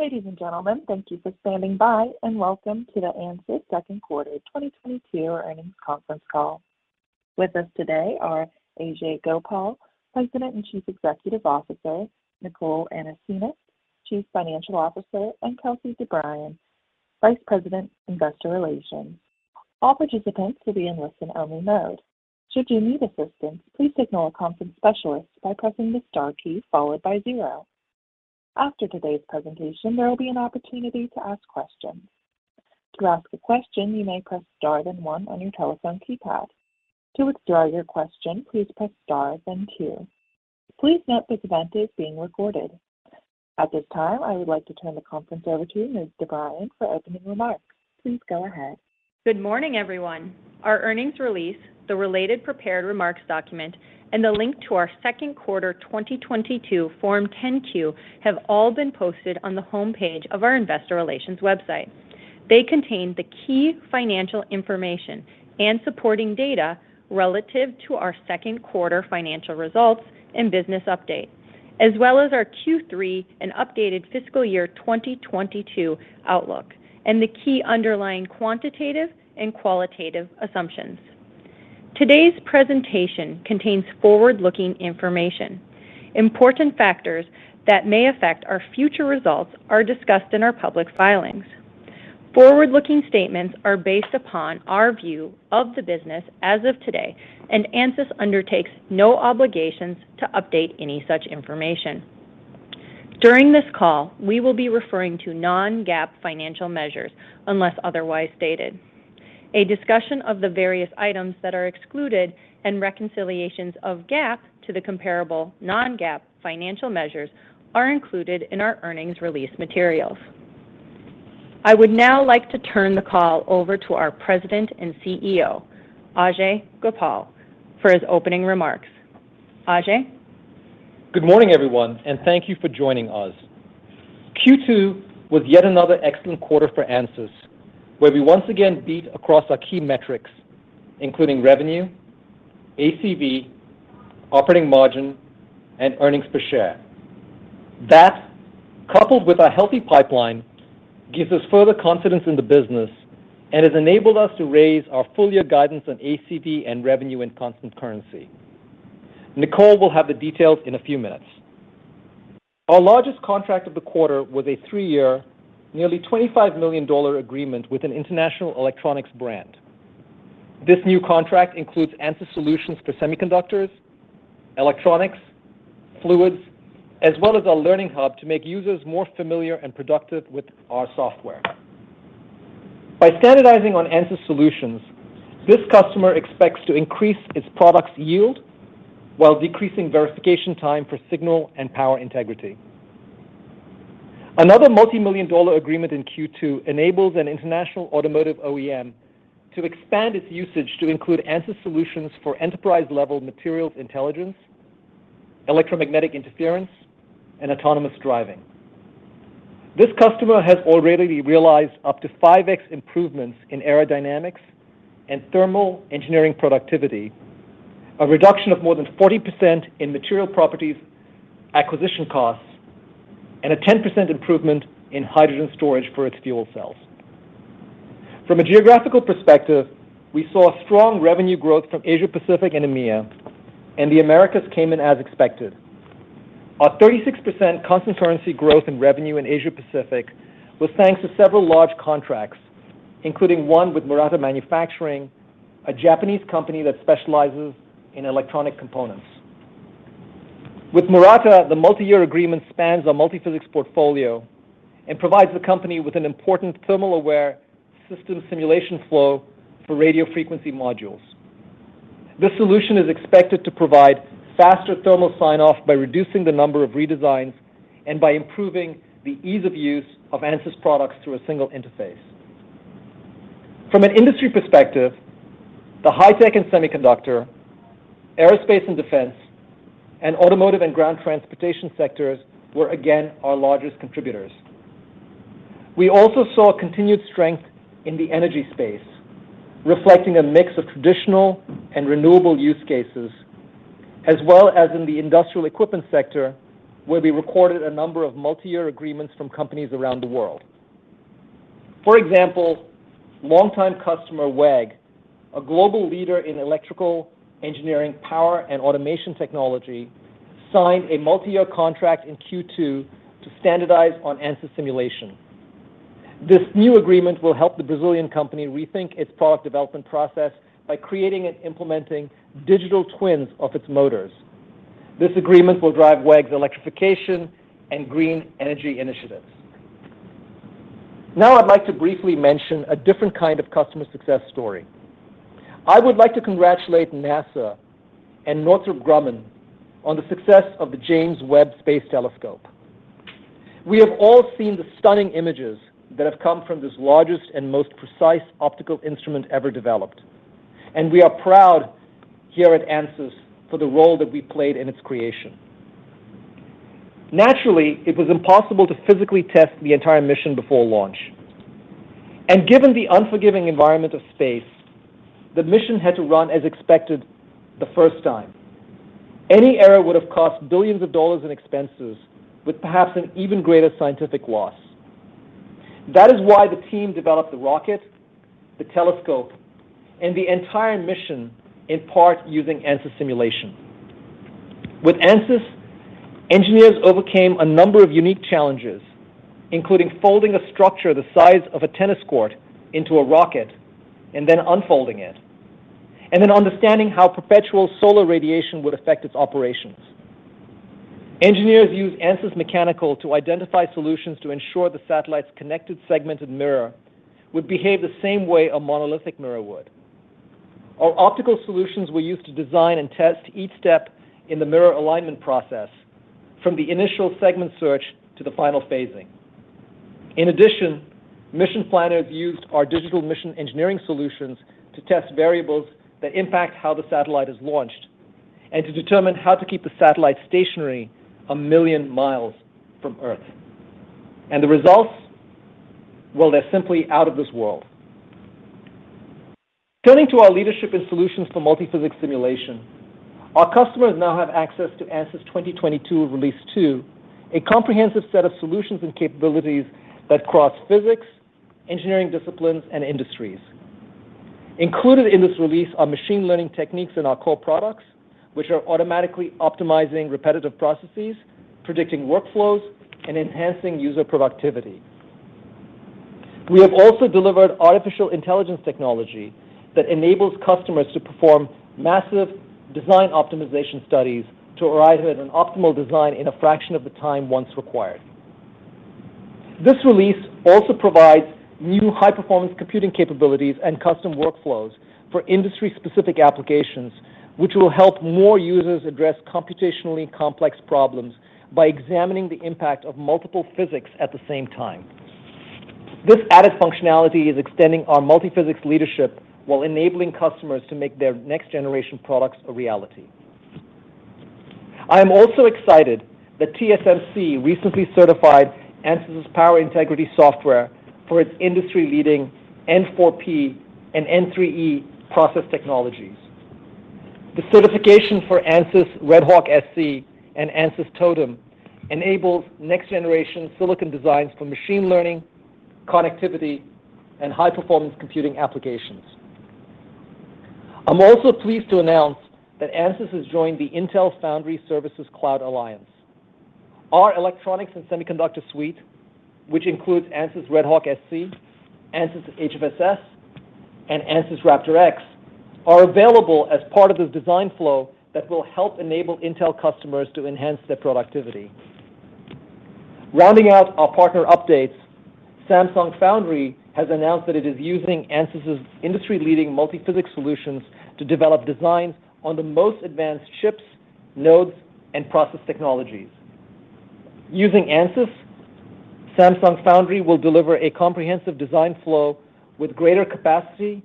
Ladies and gentlemen, thank you for standing by, and welcome to the Ansys second quarter 2022 earnings conference call. With us today are Ajei Gopal, President and Chief Executive Officer, Nicole Anasenes, Chief Financial Officer, and Kelsey DeBriyn, Vice President, Investor Relations. All participants will be in listen-only mode. Should you need assistance, please signal a conference specialist by pressing the star key followed by zero. After today's presentation, there will be an opportunity to ask questions. To ask a question, you may press star then one on your telephone keypad. To withdraw your question, please press star then two. Please note this event is being recorded. At this time, I would like to turn the conference over to Ms. DeBriyn for opening remarks. Please go ahead. Good morning, everyone. Our earnings release, the related prepared remarks document, and the link to our second quarter 2022 Form 10-Q have all been posted on the homepage of our investor relations website. They contain the key financial information and supporting data relative to our second quarter financial results and business update, as well as our Q3 and updated fiscal year 2022 outlook, and the key underlying quantitative and qualitative assumptions. Today's presentation contains forward-looking information. Important factors that may affect our future results are discussed in our public filings. Forward-looking statements are based upon our view of the business as of today, and Ansys undertakes no obligations to update any such information. During this call, we will be referring to non-GAAP financial measures, unless otherwise stated. A discussion of the various items that are excluded and reconciliations of GAAP to the comparable non-GAAP financial measures are included in our earnings release materials. I would now like to turn the call over to our President and CEO, Ajei Gopal, for his opening remarks. Ajei? Good morning, everyone, and thank you for joining us. Q2 was yet another excellent quarter for Ansys, where we once again beat across our key metrics, including revenue, ACV, operating margin, and earnings per share. That, coupled with our healthy pipeline, gives us further confidence in the business and has enabled us to raise our full year guidance on ACV and revenue in constant currency. Nicole will have the details in a few minutes. Our largest contract of the quarter was a three-year, nearly $25 million agreement with an international electronics brand. This new contract includes Ansys solutions for semiconductors, electronics, fluids, as well as our learning hub to make users more familiar and productive with our software. By standardizing on Ansys solutions, this customer expects to increase its product yield while decreasing verification time for signal and power integrity. Another multi-million dollar agreement in Q2 enables an international automotive OEM to expand its usage to include Ansys solutions for enterprise-level materials intelligence, electromagnetic interference, and autonomous driving. This customer has already realized up to 5x improvements in aerodynamics and thermal engineering productivity, a reduction of more than 40% in material properties acquisition costs, and a 10% improvement in hydrogen storage for its fuel cells. From a geographical perspective, we saw strong revenue growth from Asia-Pacific and EMEA, and the Americas came in as expected. Our 36% constant currency growth in revenue in Asia-Pacific was thanks to several large contracts, including one with Murata Manufacturing, a Japanese company that specializes in electronic components. With Murata, the multi-year agreement spans our multiphysics portfolio and provides the company with an important thermal-aware system simulation flow for radio frequency modules. This solution is expected to provide faster thermal sign-off by reducing the number of redesigns and by improving the ease of use of Ansys products through a single interface. From an industry perspective, the high-tech and semiconductor, aerospace and defense, and automotive and ground transportation sectors were again our largest contributors. We also saw continued strength in the energy space, reflecting a mix of traditional and renewable use cases, as well as in the industrial equipment sector, where we recorded a number of multi-year agreements from companies around the world. For example, longtime customer WEG, a global leader in electrical engineering, power, and automation technology, signed a multi-year contract in Q2 to standardize on Ansys simulation. This new agreement will help the Brazilian company rethink its product development process by creating and implementing digital twins of its motors. This agreement will drive WEG's electrification and green energy initiatives. Now I'd like to briefly mention a different kind of customer success story. I would like to congratulate NASA and Northrop Grumman on the success of the James Webb Space Telescope. We have all seen the stunning images that have come from this largest and most precise optical instrument ever developed, and we are proud here at Ansys for the role that we played in its creation. Naturally, it was impossible to physically test the entire mission before launch. Given the unforgiving environment of space, the mission had to run as expected the first time. Any error would have cost billions of dollars in expenses with perhaps an even greater scientific loss. That is why the team developed the rocket, the telescope, and the entire mission in part using Ansys simulation. With Ansys, engineers overcame a number of unique challenges, including folding a structure the size of a tennis court into a rocket and then unfolding it, and then understanding how perpetual solar radiation would affect its operations. Engineers used Ansys Mechanical to identify solutions to ensure the satellite's connected segmented mirror would behave the same way a monolithic mirror would. Our optical solutions were used to design and test each step in the mirror alignment process from the initial segment search to the final phasing. In addition, mission planners used our digital mission engineering solutions to test variables that impact how the satellite is launched and to determine how to keep the satellite stationary a million miles from Earth. The results, well, they're simply out of this world. Turning to our leadership and solutions for multiphysics simulation, our customers now have access to Ansys 2022 Release 2, a comprehensive set of solutions and capabilities that cross physics, engineering disciplines, and industries. Included in this release are machine learning techniques in our core products, which are automatically optimizing repetitive processes, predicting workflows, and enhancing user productivity. We have also delivered artificial intelligence technology that enables customers to perform massive design optimization studies to arrive at an optimal design in a fraction of the time once required. This release also provides new high-performance computing capabilities and custom workflows for industry-specific applications, which will help more users address computationally complex problems by examining the impact of multiple physics at the same time. This added functionality is extending our multiphysics leadership while enabling customers to make their next-generation products a reality. I am also excited that TSMC recently certified Ansys's Power Integrity Software for its industry-leading N4P and N3E process technologies. The certification for Ansys RedHawk-SC and Ansys Totem enables next-generation silicon designs for machine learning, connectivity, and high-performance computing applications. I'm also pleased to announce that Ansys has joined the Intel Foundry Cloud Alliance. Our electronics and semiconductor suite, which includes Ansys RedHawk-SC, Ansys HFSS, and Ansys RaptorH, are available as part of the design flow that will help enable Intel customers to enhance their productivity. Rounding out our partner updates, Samsung Foundry has announced that it is using Ansys's industry-leading multiphysics solutions to develop designs on the most advanced chips, nodes, and process technologies. Using Ansys, Samsung Foundry will deliver a comprehensive design flow with greater capacity,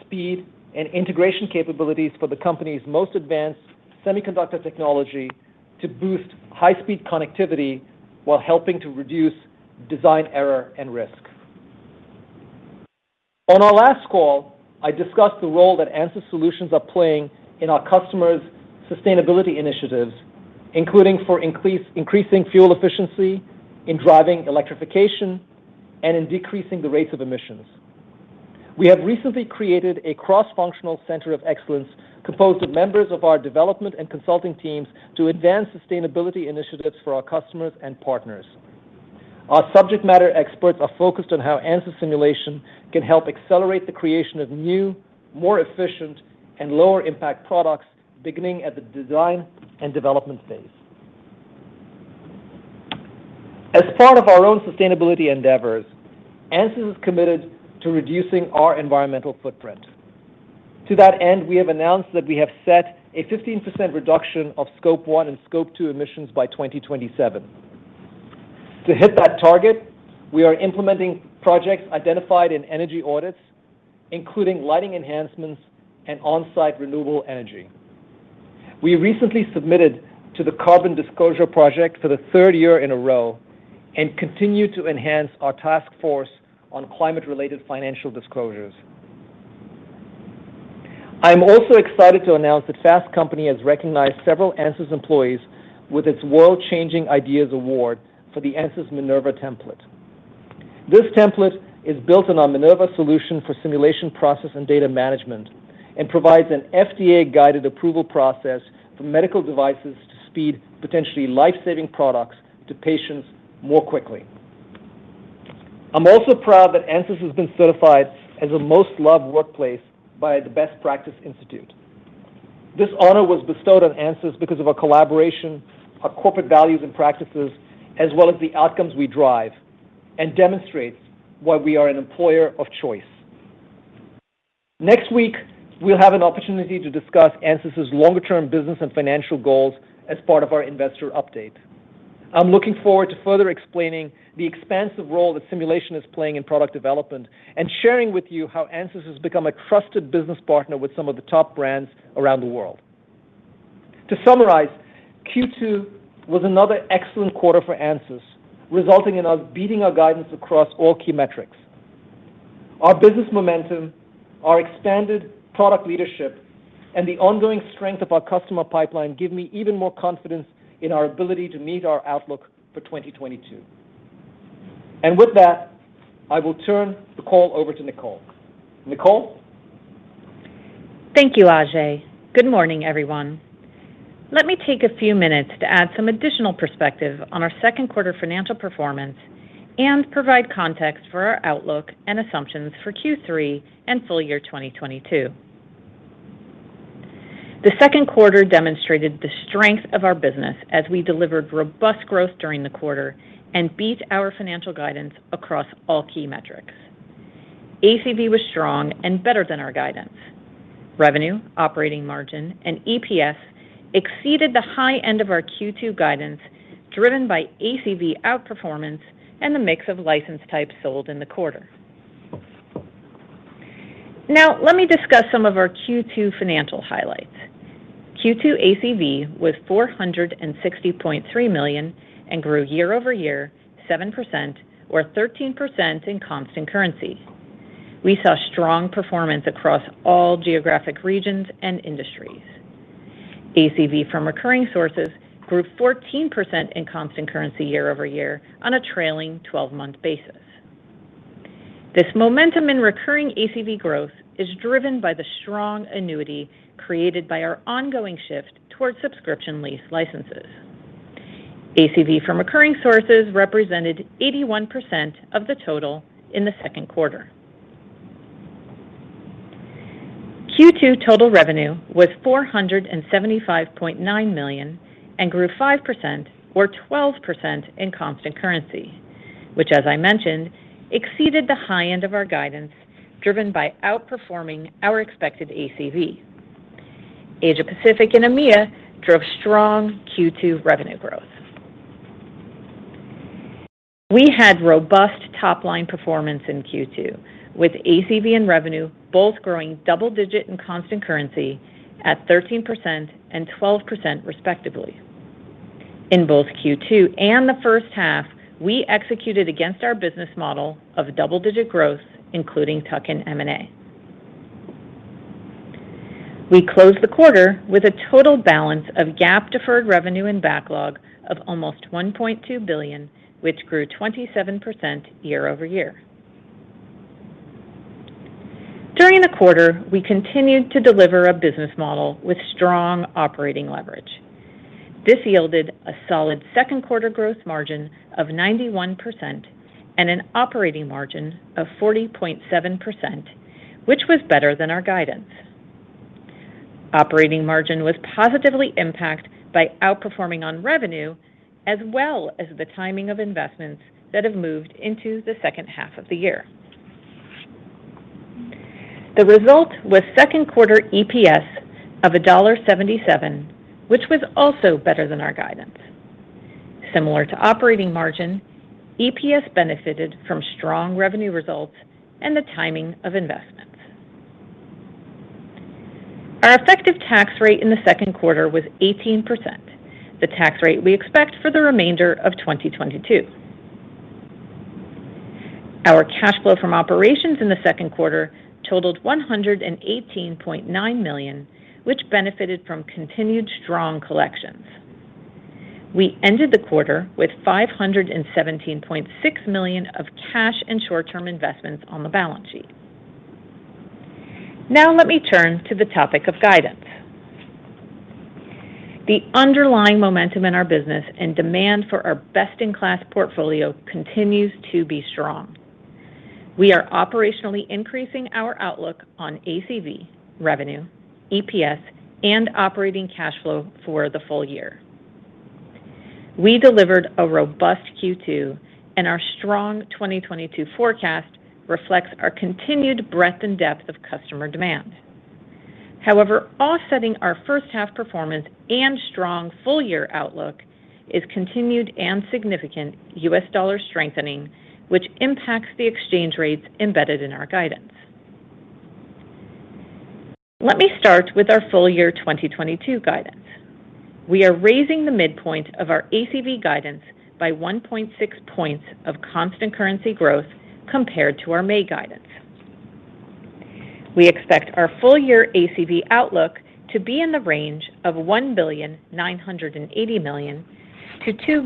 speed, and integration capabilities for the company's most advanced semiconductor technology to boost high-speed connectivity while helping to reduce design error and risk. On our last call, I discussed the role that Ansys solutions are playing in our customers' sustainability initiatives, including for increasing fuel efficiency, in driving electrification, and in decreasing the rates of emissions. We have recently created a cross-functional center of excellence composed of members of our development and consulting teams to advance sustainability initiatives for our customers and partners. Our subject matter experts are focused on how Ansys simulation can help accelerate the creation of new, more efficient, and lower-impact products beginning at the design and development phase. As part of our own sustainability endeavors, Ansys is committed to reducing our environmental footprint. To that end, we have announced that we have set a 15% reduction of Scope 1 and Scope 2 emissions by 2027. To hit that target, we are implementing projects identified in energy audits, including lighting enhancements and on-site renewable energy. We recently submitted to the Carbon Disclosure Project for the third year in a row and continue to enhance our Task Force on Climate-related Financial Disclosures. I am also excited to announce that Fast Company has recognized several Ansys employees with its World Changing Ideas Award for the Ansys Minerva template. This template is built on our Minerva solution for simulation process and data management and provides an FDA-guided approval process for medical devices to speed potentially life-saving products to patients more quickly. I'm also proud that Ansys has been certified as a Most Loved Workplace by the Best Practice Institute. This honor was bestowed on Ansys because of our collaboration, our corporate values and practices, as well as the outcomes we drive, and demonstrates why we are an employer of choice. Next week, we'll have an opportunity to discuss Ansys's longer-term business and financial goals as part of our investor update. I'm looking forward to further explaining the expansive role that simulation is playing in product development and sharing with you how Ansys has become a trusted business partner with some of the top brands around the world. To summarize, Q2 was another excellent quarter for Ansys, resulting in us beating our guidance across all key metrics. Our business momentum, our expanded product leadership, and the ongoing strength of our customer pipeline give me even more confidence in our ability to meet our outlook for 2022. With that, I will turn the call over to Nicole. Nicole? Thank you, Ajei. Good morning, everyone. Let me take a few minutes to add some additional perspective on our second quarter financial performance and provide context for our outlook and assumptions for Q3 and full year 2022. The second quarter demonstrated the strength of our business as we delivered robust growth during the quarter and beat our financial guidance across all key metrics. ACV was strong and better than our guidance. Revenue, operating margin, and EPS exceeded the high end of our Q2 guidance driven by ACV outperformance and the mix of license types sold in the quarter. Now, let me discuss some of our Q2 financial highlights. Q2 ACV was $460.3 million and grew year-over-year 7% or 13% in constant currency. We saw strong performance across all geographic regions and industries. ACV from recurring sources grew 14% in constant currency year-over-year on a trailing 12-month basis. This momentum in recurring ACV growth is driven by the strong annuity created by our ongoing shift towards subscription lease licenses. ACV from recurring sources represented 81% of the total in the second quarter. Q2 total revenue was $475.9 million and grew 5% or 12% in constant currency, which as I mentioned, exceeded the high end of our guidance driven by outperforming our expected ACV. Asia Pacific and EMEA drove strong Q2 revenue growth. We had robust top-line performance in Q2 with ACV and revenue both growing double-digit in constant currency at 13% and 12% respectively. In both Q2 and the first half, we executed against our business model of double-digit growth, including tuck-in M&A. We closed the quarter with a total balance of GAAP deferred revenue and backlog of almost $1.2 billion, which grew 27% year-over-year. During the quarter, we continued to deliver a business model with strong operating leverage. This yielded a solid second quarter gross margin of 91% and an operating margin of 40.7%, which was better than our guidance. Operating margin was positively impacted by outperforming on revenue as well as the timing of investments that have moved into the second half of the year. The result was second quarter EPS of $1.77, which was also better than our guidance. Similar to operating margin, EPS benefited from strong revenue results and the timing of investments. Our effective tax rate in the second quarter was 18%, the tax rate we expect for the remainder of 2022. Our cash flow from operations in the second quarter totaled $118.9 million, which benefited from continued strong collections. We ended the quarter with $517.6 million of cash and short-term investments on the balance sheet. Now let me turn to the topic of guidance. The underlying momentum in our business and demand for our best-in-class portfolio continues to be strong. We are operationally increasing our outlook on ACV, revenue, EPS, and operating cash flow for the full year. We delivered a robust Q2, and our strong 2022 forecast reflects our continued breadth and depth of customer demand. However, offsetting our first half performance and strong full-year outlook is continued and significant US dollar strengthening, which impacts the exchange rates embedded in our guidance. Let me start with our full-year 2022 guidance. We are raising the midpoint of our ACV guidance by 1.6 points of constant currency growth compared to our May guidance. We expect our full-year ACV outlook to be in the range of $1.98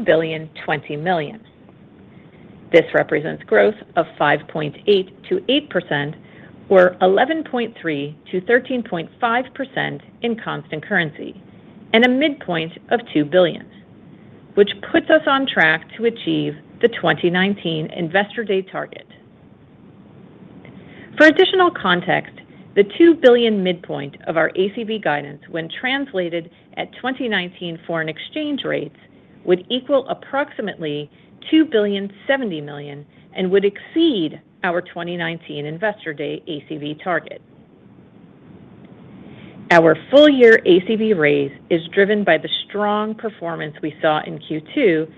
billion-$2.02 billion. This represents growth of 5.8%-8% or 11.3%-13.5% in constant currency and a midpoint of $2 billion, which puts us on track to achieve the 2019 Investor Day target. For additional context, the $2 billion midpoint of our ACV guidance when translated at 2019 foreign exchange rates would equal approximately $2.07 billion and would exceed our 2019 Investor Day ACV target. Our full-year ACV raise is driven by the strong performance we saw in Q2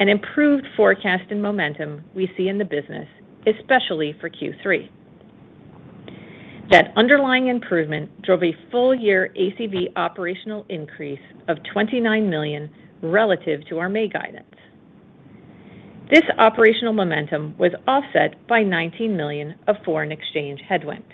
and improved forecast and momentum we see in the business, especially for Q3. That underlying improvement drove a full-year ACV operational increase of $29 million relative to our May guidance. This operational momentum was offset by $19 million of foreign exchange headwind.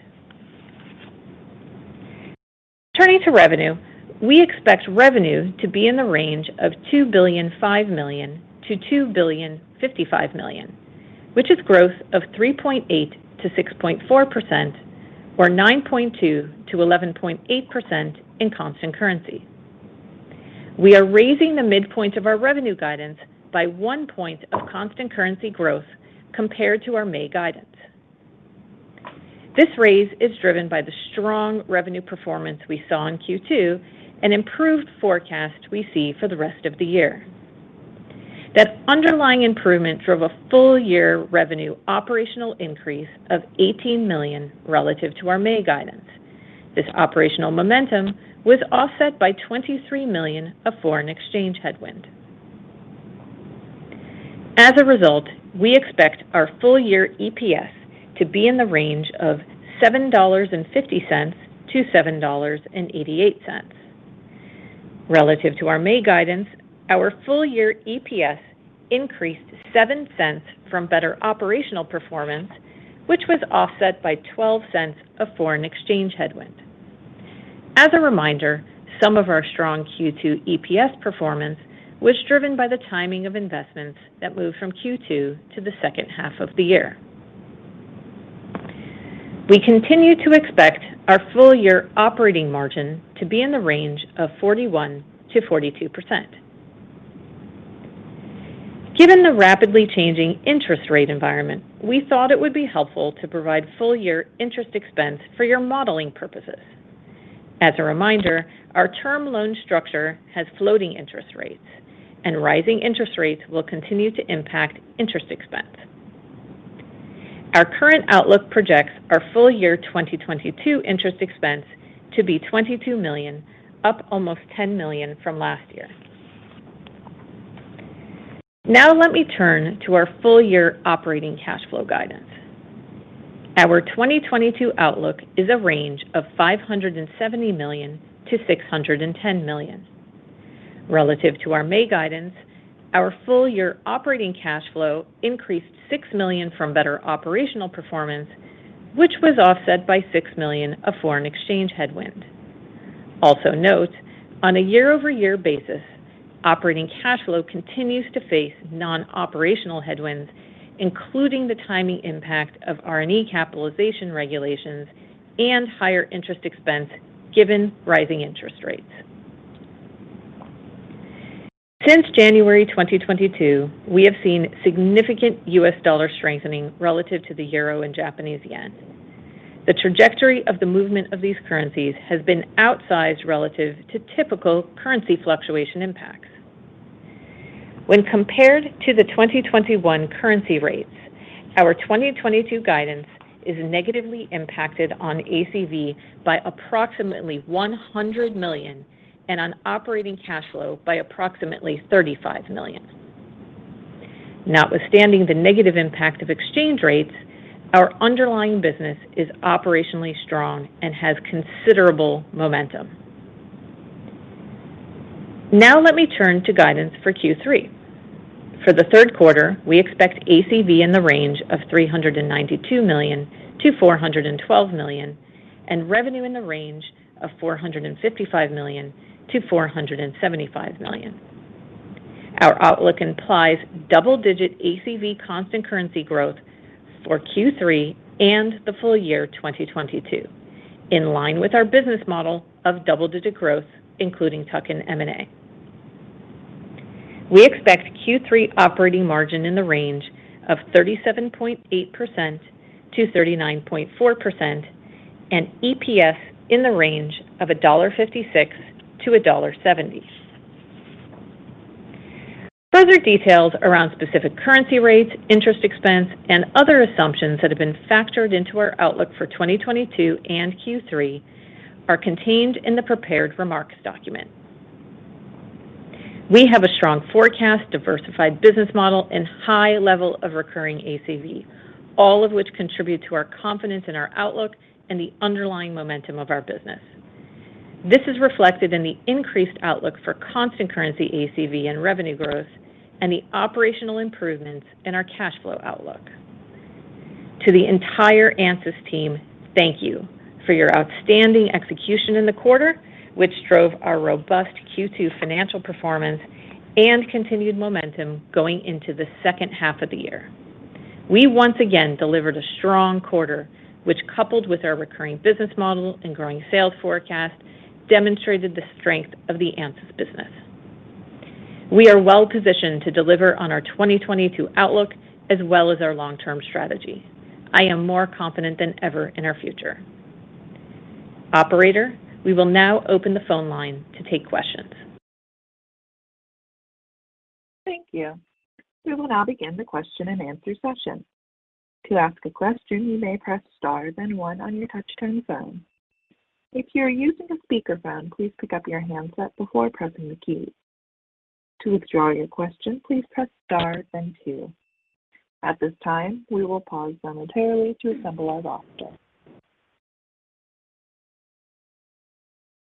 Turning to revenue, we expect revenue to be in the range of $2.005 billion-$2.055 billion, which is growth of 3.8%-6.4% or 9.2%-11.8% in constant currency. We are raising the midpoint of our revenue guidance by 1% of constant currency growth compared to our May guidance. This raise is driven by the strong revenue performance we saw in Q2 and improved forecast we see for the rest of the year. That underlying improvement drove a full-year revenue operational increase of $18 million relative to our May guidance. This operational momentum was offset by $23 million of foreign exchange headwind. As a result, we expect our full-year EPS to be in the range of $7.50-$7.88. Relative to our May guidance, our full-year EPS increased $0.07 from better operational performance, which was offset by $0.12 of foreign exchange headwind. As a reminder, some of our strong Q2 EPS performance was driven by the timing of investments that moved from Q2 to the second half of the year. We continue to expect our full-year operating margin to be in the range of 41%-42%. Given the rapidly changing interest rate environment, we thought it would be helpful to provide full-year interest expense for your modeling purposes. As a reminder, our term loan structure has floating interest rates, and rising interest rates will continue to impact interest expense. Our current outlook projects our full-year 2022 interest expense to be $22 million, up almost $10 million from last year. Now let me turn to our full-year operating cash flow guidance. Our 2022 outlook is a range of $570 million-$610 million. Relative to our May guidance, our full-year operating cash flow increased $6 million from better operational performance, which was offset by $6 million of foreign exchange headwind. Also note, on a year-over-year basis, operating cash flow continues to face non-operational headwinds, including the timing impact of R&E capitalization regulations and higher interest expense given rising interest rates. Since January 2022, we have seen significant US dollar strengthening relative to the euro and Japanese yen. The trajectory of the movement of these currencies has been outsized relative to typical currency fluctuation impacts. When compared to the 2021 currency rates, our 2022 guidance is negatively impacted on ACV by approximately $100 million and on operating cash flow by approximately $35 million. Notwithstanding the negative impact of exchange rates, our underlying business is operationally strong and has considerable momentum. Now let me turn to guidance for Q3. For the third quarter, we expect ACV in the range of $392 million-$412 million, and revenue in the range of $455 million-$475 million. Our outlook implies double-digit ACV constant currency growth for Q3 and the full year 2022, in line with our business model of double-digit growth, including tuck-in M&A. We expect Q3 operating margin in the range of 37.8%-39.4% and EPS in the range of $1.56-$1.70. Further details around specific currency rates, interest expense, and other assumptions that have been factored into our outlook for 2022 and Q3 are contained in the prepared remarks document. We have a strong forecast, diversified business model, and high level of recurring ACV, all of which contribute to our confidence in our outlook and the underlying momentum of our business. This is reflected in the increased outlook for constant currency ACV and revenue growth and the operational improvements in our cash flow outlook. To the entire Ansys team, thank you for your outstanding execution in the quarter, which drove our robust Q2 financial performance and continued momentum going into the second half of the year. We once again delivered a strong quarter, which, coupled with our recurring business model and growing sales forecast, demonstrated the strength of the Ansys business. We are well positioned to deliver on our 2022 outlook as well as our long-term strategy. I am more confident than ever in our future. Operator, we will now open the phone line to take questions. Thank you. We will now begin the question and answer session. To ask a question, you may press star, then one on your touch-tone phone. If you are using a speakerphone, please pick up your handset before pressing the key. To withdraw your question, please press star then two. At this time, we will pause momentarily to assemble our operator.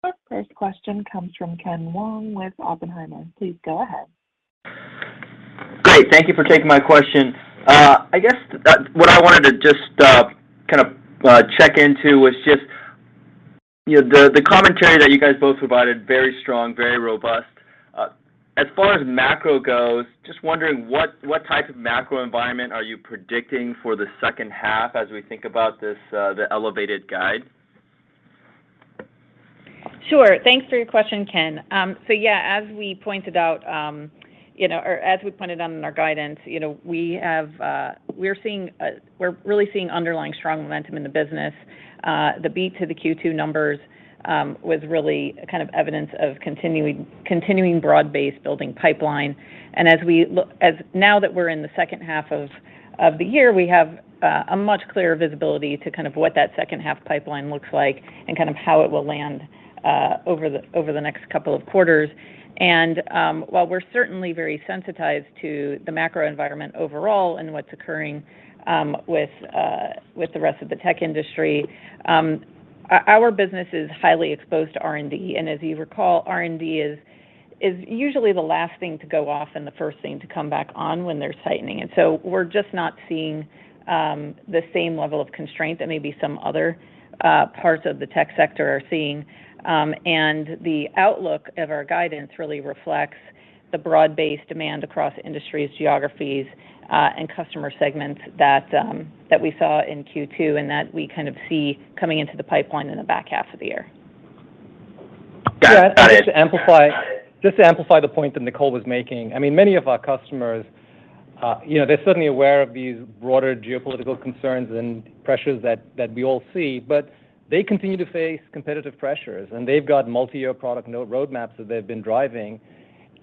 Our first question comes from Ken Wong with Oppenheimer. Please go ahead. Great. Thank you for taking my question. I guess that what I wanted to just kinda check into was just, you know, the commentary that you guys both provided, very strong, very robust. As far as macro goes, just wondering what type of macro environment are you predicting for the second half as we think about this, the elevated guide? Sure. Thanks for your question, Ken. So yeah, as we pointed out, you know, or as we pointed out in our guidance, you know, we have, we're seeing, we're really seeing underlying strong momentum in the business. The beat to the Q2 numbers was really kind of evidence of continuing broad-based building pipeline. Now that we're in the second half of the year, we have a much clearer visibility to kind of what that second half pipeline looks like and kind of how it will land over the next couple of quarters. While we're certainly very sensitized to the macro environment overall and what's occurring with the rest of the tech industry, our business is highly exposed to R&D. As you recall, R&D is usually the last thing to go off and the first thing to come back on when they're tightening. We're just not seeing the same level of constraint that maybe some other parts of the tech sector are seeing. The outlook of our guidance really reflects the broad-based demand across industries, geographies, and customer segments that we saw in Q2, and that we kind of see coming into the pipeline in the back half of the year. Got it. Got it. Yeah, just to amplify. Got it. Just to amplify the point that Nicole was making, I mean, many of our customers, you know, they're certainly aware of these broader geopolitical concerns and pressures that we all see, but they continue to face competitive pressures, and they've got multi-year product roadmaps that they've been driving.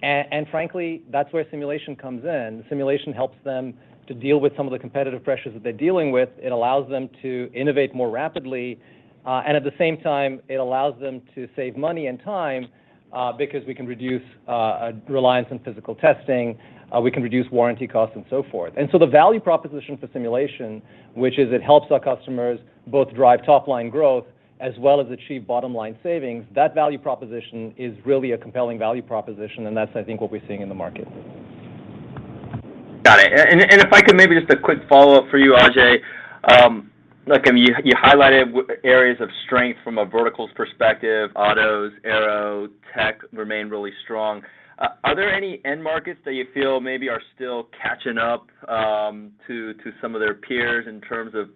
And frankly, that's where simulation comes in. Simulation helps them to deal with some of the competitive pressures that they're dealing with. It allows them to innovate more rapidly, and at the same time, it allows them to save money and time, because we can reduce reliance on physical testing, we can reduce warranty costs and so forth. The value proposition for simulation, which is it helps our customers both drive top line growth as well as achieve bottom line savings, that value proposition is really a compelling value proposition, and that's, I think, what we're seeing in the market. Got it. If I could maybe just a quick follow-up for you, Ajei. Look, I mean, you highlighted areas of strength from a verticals perspective, autos, aero, tech remain really strong. Are there any end markets that you feel maybe are still catching up to some of their peers in terms of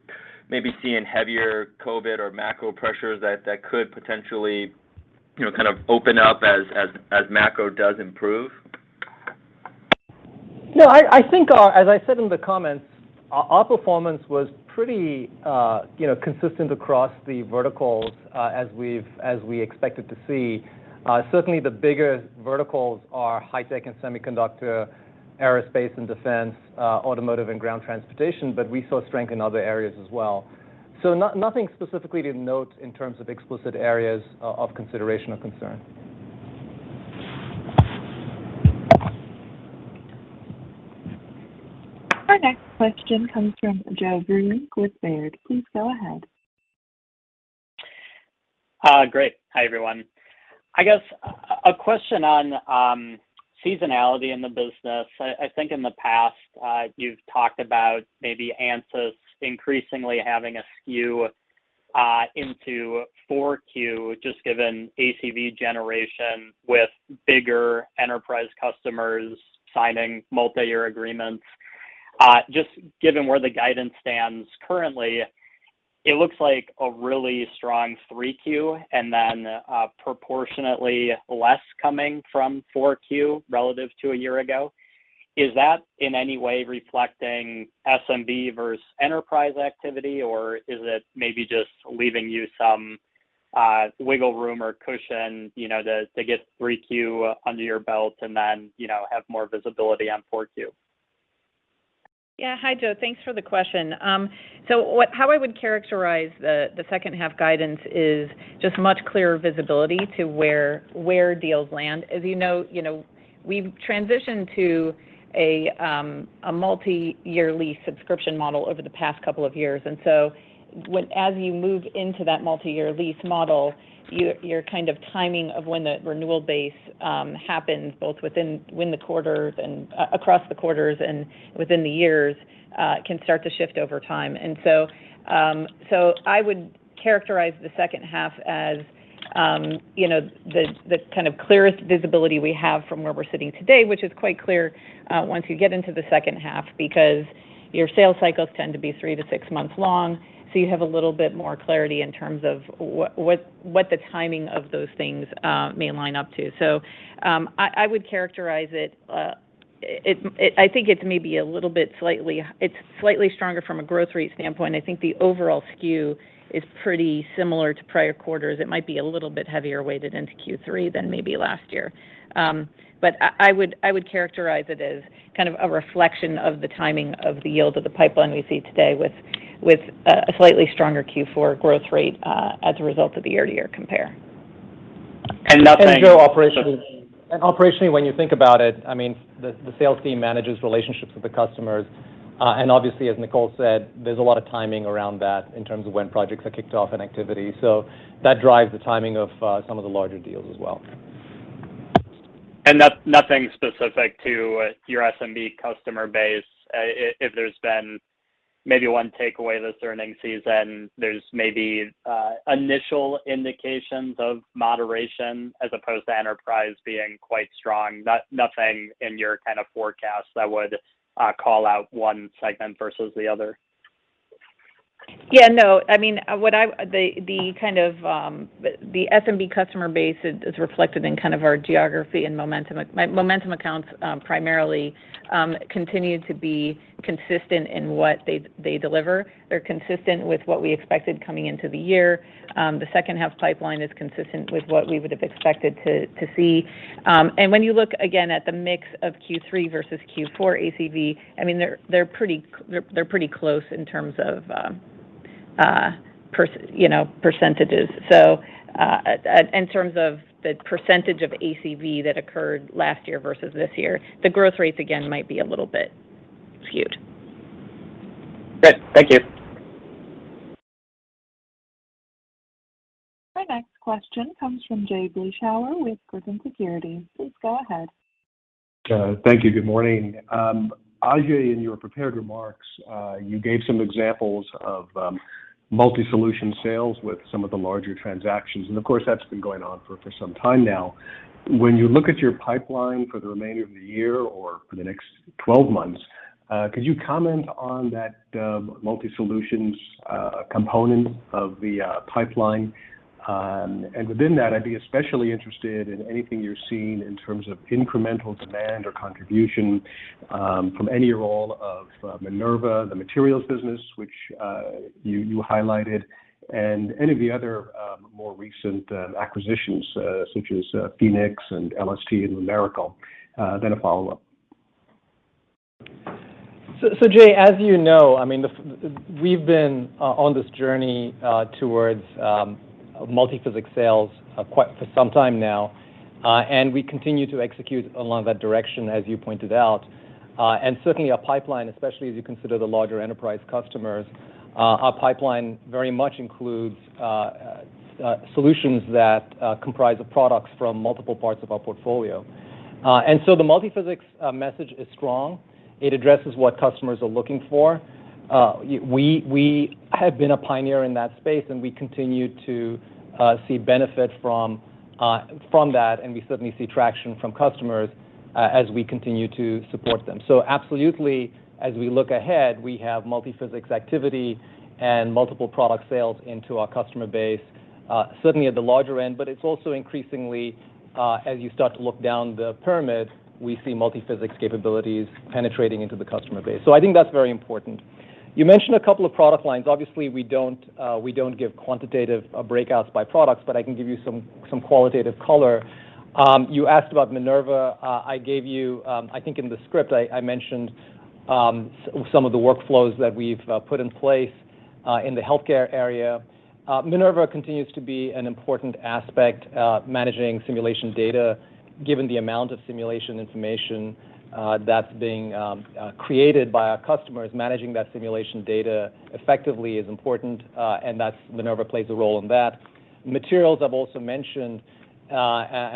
maybe seeing heavier COVID or macro pressures that could potentially, you know, kind of open up as macro does improve? No, I think, as I said in the comments, our performance was pretty, you know, consistent across the verticals, as we expected to see. Certainly the bigger verticals are high tech and semiconductor, aerospace and defense, automotive and ground transportation, but we saw strength in other areas as well. Nothing specifically to note in terms of explicit areas of consideration or concern. Our next question comes from Joe Vruwink with Baird. Please go ahead. Great. Hi, everyone. I guess a question on seasonality in the business. I think in the past, you've talked about maybe Ansys increasingly having a skew into 4Q, just given ACV generation with bigger enterprise customers signing multi-year agreements. Just given where the guidance stands currently, it looks like a really strong 3Q, and then proportionately less coming from 4Q relative to a year ago. Is that in any way reflecting SMB versus enterprise activity, or is it maybe just leaving you some wiggle room or cushion, you know, to get 3Q under your belt and then, you know, have more visibility on 4Q? Yeah. Hi, Joe. Thanks for the question. So how I would characterize the second half guidance is just much clearer visibility to where deals land. As you know, you know, we've transitioned to a multi-year lease subscription model over the past couple of years. As you move into that multi-year lease model, your kind of timing of when the renewal base happens both within and the quarters and across the quarters and within the years can start to shift over time. I would characterize the second half as, you know, the kind of clearest visibility we have from where we're sitting today, which is quite clear, once you get into the second half, because your sales cycles tend to be 3-6 months long, so you have a little bit more clarity in terms of what the timing of those things may line up to. I would characterize it. I think it's maybe a little bit slightly. It's slightly stronger from a growth rate standpoint. I think the overall skew is pretty similar to prior quarters. It might be a little bit heavier weighted into Q3 than maybe last year.I would characterize it as kind of a reflection of the timing of the yield of the pipeline we see today with a slightly stronger Q4 growth rate as a result of the year-to-year compare. And nothing- Joe, operationally, when you think about it, I mean, the sales team manages relationships with the customers, and obviously, as Nicole said, there's a lot of timing around that in terms of when projects are kicked off and activity. That drives the timing of some of the larger deals as well. Nothing specific to your SMB customer base. If there's been maybe one takeaway this earnings season, there's maybe initial indications of moderation as opposed to enterprise being quite strong. Nothing in your kind of forecast that would call out one segment versus the other? Yeah, no. I mean, the kind of SMB customer base is reflected in kind of our geography and momentum. My momentum accounts primarily continue to be consistent in what they deliver. They're consistent with what we expected coming into the year. The second half pipeline is consistent with what we would have expected to see. When you look again at the mix of Q3 versus Q4 ACV, I mean, they're pretty close in terms of you know, percentages. So, in terms of the percentage of ACV that occurred last year versus this year, the growth rates again might be a little bit skewed. Great. Thank you. Our next question comes from Jay Vleeschhouwer with Griffin Securities. Please go ahead. Thank you. Good morning. Ajei, in your prepared remarks, you gave some examples of multi-solution sales with some of the larger transactions, and of course, that's been going on for some time now. When you look at your pipeline for the remainder of the year or for the next 12 months, could you comment on that multi-solutions component of the pipeline? Within that, I'd be especially interested in anything you're seeing in terms of incremental demand or contribution from any role of Minerva, the materials business, which you highlighted, and any of the other more recent acquisitions, such as Phoenix and LST and Lumerical. A follow-up. Jay, as you know, I mean, we've been on this journey towards multiphysics sales for some time now, and we continue to execute along that direction, as you pointed out. Certainly our pipeline, especially as you consider the larger enterprise customers, our pipeline very much includes solutions that comprise of products from multiple parts of our portfolio. The multiphysics message is strong. It addresses what customers are looking for. We have been a pioneer in that space, and we continue to see benefit from that, and we certainly see traction from customers as we continue to support them. Absolutely, as we look ahead, we have multiphysics activity and multiple product sales into our customer base, certainly at the larger end, but it's also increasingly, as you start to look down the pyramid, we see multiphysics capabilities penetrating into the customer base. I think that's very important. You mentioned a couple of product lines. Obviously, we don't give quantitative breakouts by products, but I can give you some qualitative color. You asked about Minerva. I gave you, I think in the script I mentioned, some of the workflows that we've put in place, in the healthcare area. Minerva continues to be an important aspect, managing simulation data. Given the amount of simulation information that's being created by our customers, managing that simulation data effectively is important, and Minerva plays a role in that. Materials I've also mentioned, and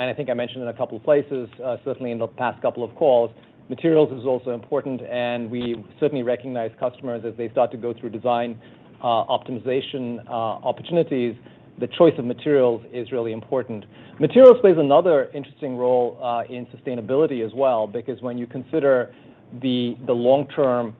I think I mentioned in a couple of places, certainly in the past couple of calls, materials is also important, and we certainly recognize customers as they start to go through design optimization opportunities. The choice of materials is really important. Materials plays another interesting role in sustainability as well, because when you consider the long-term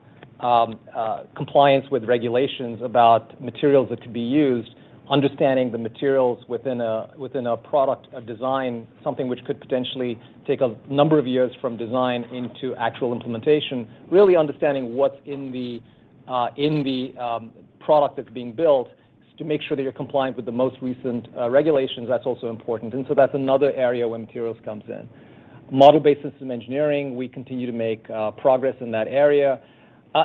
compliance with regulations about materials that could be used, understanding the materials within a product, a design, something which could potentially take a number of years from design into actual implementation, really understanding what's in the product that's being built to make sure that you're compliant with the most recent regulations, that's also important. That's another area where materials comes in. Model-based system engineering, we continue to make progress in that area.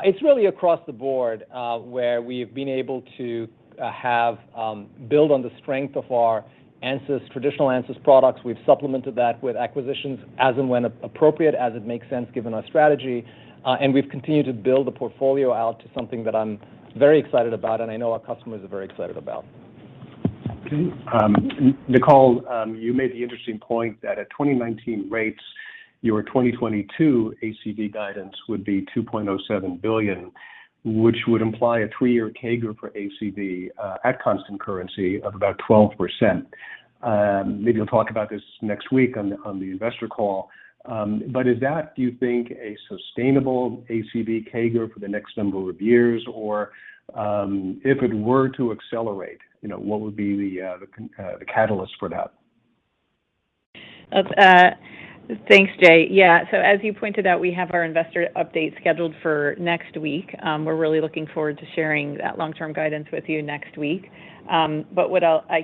It's really across the board, where we've been able to build on the strength of our Ansys, traditional Ansys products. We've supplemented that with acquisitions as and when appropriate, as it makes sense given our strategy, and we've continued to build the portfolio out to something that I'm very excited about and I know our customers are very excited about. Okay. Nicole, you made the interesting point that at 2019 rates, your 2022 ACV guidance would be $2.07 billion, which would imply a three-year CAGR for ACV at constant currency of about 12%. Maybe you'll talk about this next week on the investor call. Is that, do you think, a sustainable ACV CAGR for the next number of years? If it were to accelerate, you know, what would be the catalyst for that? Thanks, Jay. Yeah. As you pointed out, we have our investor update scheduled for next week. We're really looking forward to sharing that long-term guidance with you next week. But I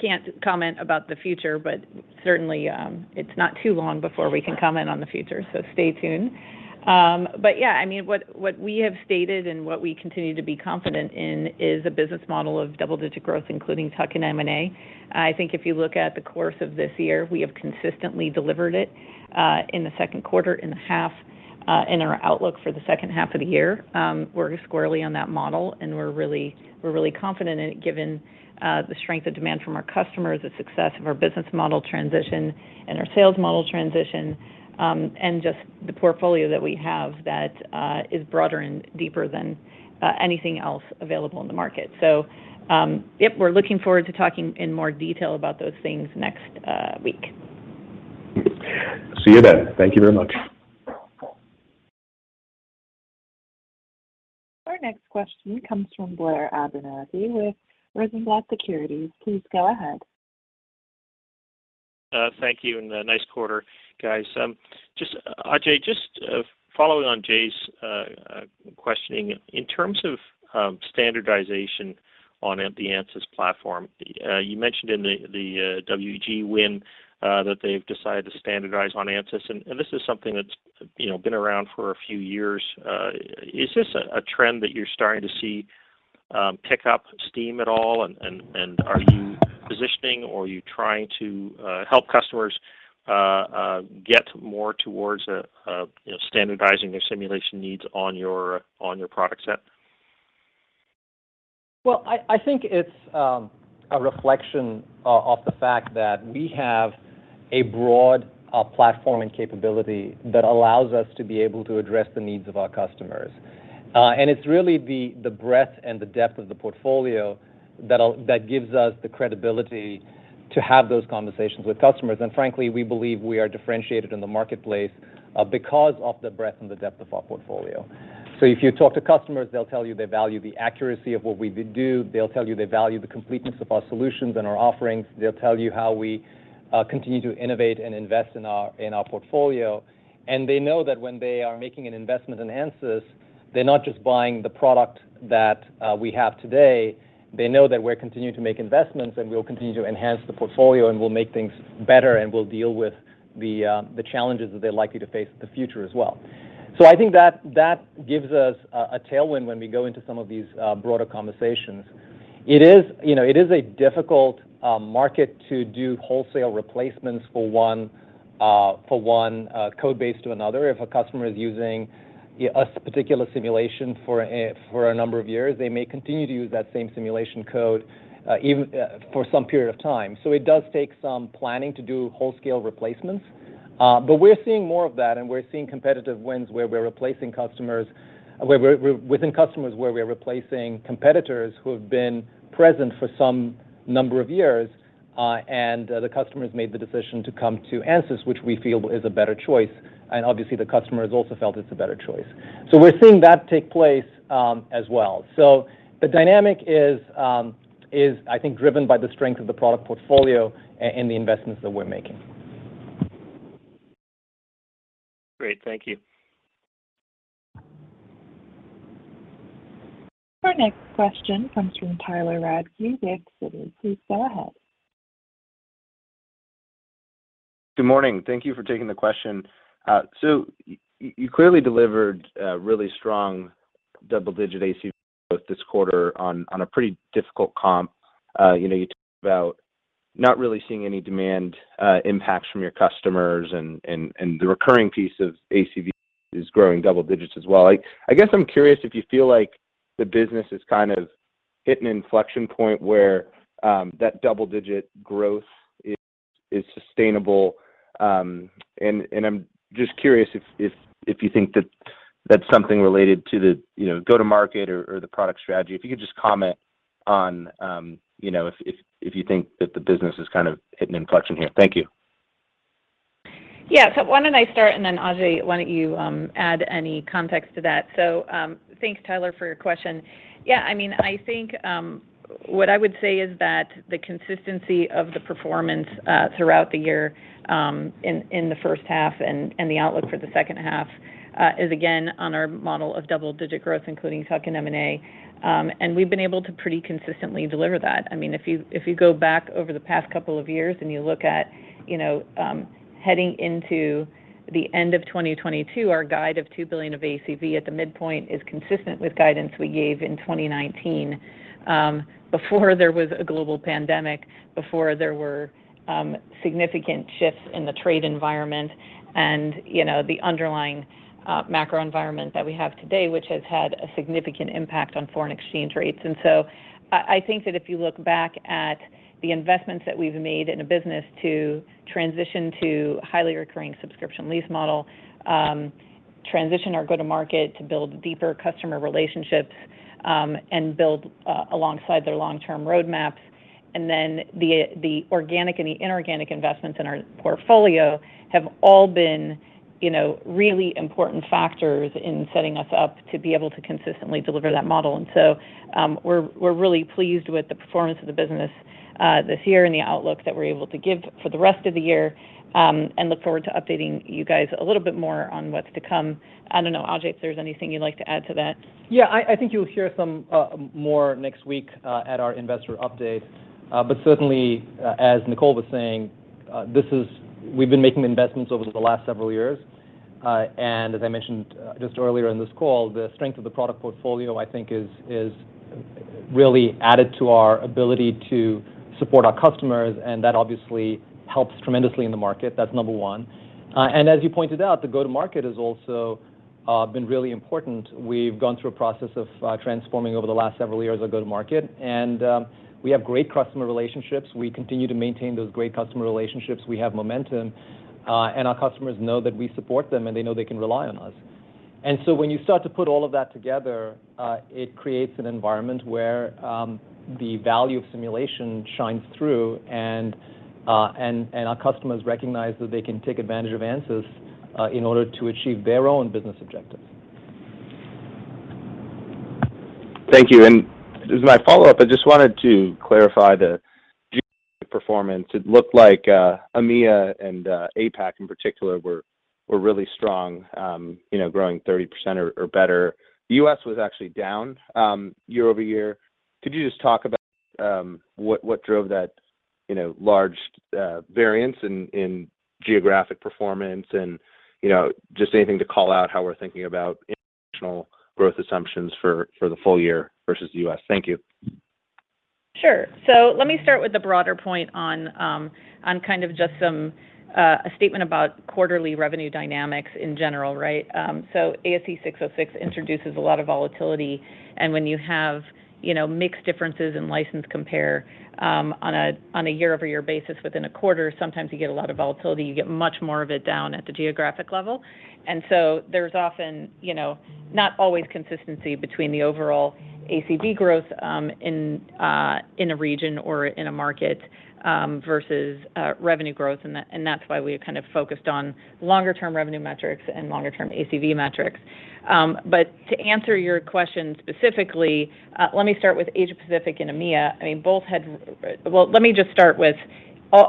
can't comment about the future, but Certainly, it's not too long before we can comment on the future, so stay tuned. Yeah, I mean, what we have stated and what we continue to be confident in is a business model of double-digit growth, including tuck and M&A. I think if you look at the course of this year, we have consistently delivered it in the second quarter, in the half, in our outlook for the second half of the year. We're squarely on that model, and we're really confident in it, given the strength of demand from our customers, the success of our business model transition and our sales model transition, and just the portfolio that we have that is broader and deeper than anything else available in the market. Yep, we're looking forward to talking in more detail about those things next week. See you then. Thank you very much. Our next question comes from Blair Abernethy with Rosenblatt Securities. Please go ahead. Thank you, and a nice quarter, guys. Just, Ajei, just following on Jay Vleeschhouwer's questioning, in terms of standardization on the Ansys platform, you mentioned in the WEG win that they've decided to standardize on Ansys, and this is something that's, you know, been around for a few years. Is this a trend that you're starting to see pick up steam at all? Are you positioning or are you trying to help customers get more towards, you know, standardizing their simulation needs on your product set? I think it's a reflection of the fact that we have a broad platform and capability that allows us to be able to address the needs of our customers. It's really the breadth and the depth of the portfolio that gives us the credibility to have those conversations with customers. Frankly, we believe we are differentiated in the marketplace because of the breadth and the depth of our portfolio. If you talk to customers, they'll tell you they value the accuracy of what we do. They'll tell you they value the completeness of our solutions and our offerings. They'll tell you how we continue to innovate and invest in our portfolio. They know that when they are making an investment in Ansys, they're not just buying the product that we have today. They know that we're continuing to make investments, and we'll continue to enhance the portfolio, and we'll make things better, and we'll deal with the challenges that they're likely to face in the future as well. I think that gives us a tailwind when we go into some of these broader conversations. It is, you know, it is a difficult market to do wholesale replacements for one code base to another. If a customer is using a particular simulation for a number of years, they may continue to use that same simulation code, even for some period of time. It does take some planning to do wholesale replacements. We're seeing more of that, and we're seeing competitive wins where we're replacing customers, where we're within customers, where we're replacing competitors who have been present for some number of years, and the customer's made the decision to come to Ansys, which we feel is a better choice, and obviously the customer has also felt it's a better choice. We're seeing that take place, as well. The dynamic is, I think, driven by the strength of the product portfolio and the investments that we're making. Great. Thank you. Our next question comes from Tyler Radke, Citigroup. Please go ahead. Good morning. Thank you for taking the question. So you clearly delivered a really strong double-digit ACV growth this quarter on a pretty difficult comp. You know, you talked about not really seeing any demand impacts from your customers and the recurring piece of ACV is growing double digits as well. I guess I'm curious if you feel like the business is kind of hitting an inflection point where that double-digit growth is sustainable. I'm just curious if you think that that's something related to the, you know, go-to-market or the product strategy. If you could just comment on, you know, if you think that the business is kind of hitting inflection here. Thank you. Yeah. Why don't I start, and then Ajei, why don't you add any context to that? Thanks, Tyler, for your question. Yeah, I mean, I think what I would say is that the consistency of the performance throughout the year, in the first half and the outlook for the second half, is again on our model of double-digit growth, including tuck and M&A. We've been able to pretty consistently deliver that. I mean, if you go back over the past couple of years and you look at, you know, heading into the end of 2022, our guide of $2 billion of ACV at the midpoint is consistent with guidance we gave in 2019, before there was a global pandemic, before there were significant shifts in the trade environment and, you know, the underlying macro environment that we have today, which has had a significant impact on foreign exchange rates. I think that if you look back at the investments that we've made in a business to transition to highly recurring subscription lease model, transition our go-to-market to build deeper customer relationships, and build alongside their long-term roadmaps, and then the organic and the inorganic investments in our portfolio have all been, you know, really important factors in setting us up to be able to consistently deliver that model. We're really pleased with the performance of the business, this year and the outlook that we're able to give for the rest of the year, and look forward to updating you guys a little bit more on what's to come. I don't know, Ajei, if there's anything you'd like to add to that. Yeah. I think you'll hear some more next week at our investor update. Certainly, as Nicole was saying, we've been making investments over the last several years. As I mentioned just earlier in this call, the strength of the product portfolio, I think, is really added to our ability to support our customers, and that obviously helps tremendously in the market. That's number one. As you pointed out, the go-to-market has also been really important. We've gone through a process of transforming over the last several years of go-to-market, and we have great customer relationships. We continue to maintain those great customer relationships. We have momentum, and our customers know that we support them, and they know they can rely on us. When you start to put all of that together, it creates an environment where the value of simulation shines through and our customers recognize that they can take advantage of Ansys in order to achieve their own business objectives. Thank you, as my follow-up, I just wanted to clarify the performance. It looked like EMEA and APAC in particular were really strong, you know, growing 30% or better. The US was actually down year-over-year. Could you just talk about what drove that, you know, large variance in geographic performance and, you know, just anything to call out how we're thinking about international growth assumptions for the full year versus the US? Thank you. Sure. Let me start with the broader point on kind of just some a statement about quarterly revenue dynamics in general, right? ASC 606 introduces a lot of volatility, and when you have, you know, mixed differences in license comps on a year-over-year basis within a quarter, sometimes you get a lot of volatility. You get much more of it down at the geographic level. There's often, you know, not always consistency between the overall ACV growth in a region or in a market versus revenue growth, and that's why we kind of focused on longer-term revenue metrics and longer-term ACV metrics. But to answer your question specifically, let me start with Asia-Pacific and EMEA. I mean, both had...